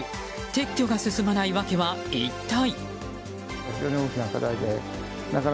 撤去が進まない訳は一体。